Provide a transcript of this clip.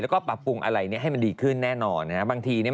แล้วก็ปรับปรุงอะไรเนี้ยให้มันดีขึ้นแน่นอนนะฮะบางทีเนี่ย